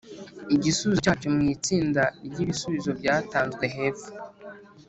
igisubizo cyacyo mu itsinda ry’ibisubizo byatanzwe hepfo.